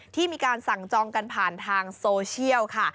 ที่มีการสั่งจองกันผ่านทางโซเชียลค่ะ